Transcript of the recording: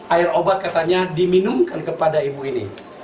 air obat katanya diminumkan kepada ibu ini